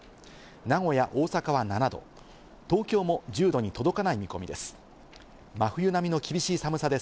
名古屋、大阪は７度、東京も１０度に届かない見込みです。